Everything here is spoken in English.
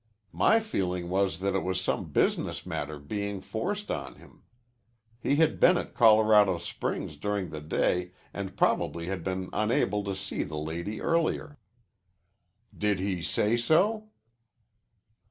"My feeling was that it was some business matter being forced on him. He had been at Colorado Springs during the day and probably had been unable to see the lady earlier." "Did he say so?"